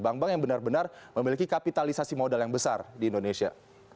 bank bank yang benar benar memiliki kapitalisasi modal yang besar di indonesia